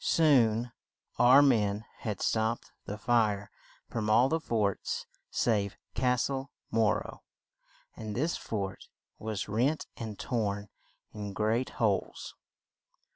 Soon our men had stopped the fire from all the forts save Cas tle Mor ro, and this fort was rent and torn in great holes.